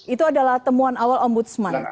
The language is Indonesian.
itu adalah temuan awal ombudsman